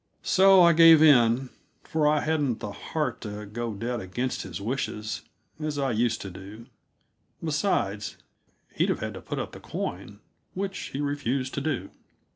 So I gave in, for I hadn't the heart to go dead against his wishes, as I used to do. Besides, he'd have had to put up the coin, which he refused to do.